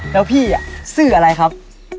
แล้วพี่ซื่ออะไรครับ